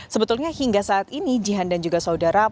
sebetulnya hingga saat ini jihan dan juga saudara